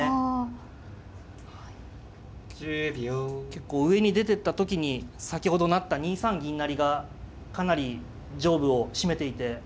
結構上に出てった時に先ほど成った２三銀成がかなり上部をしめていて。